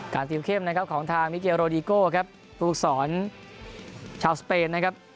การเตียมเข้มนะครับของทางวิเกียร์โรดิโก้ครับฟูปุกศรชาวสเปนนะครับ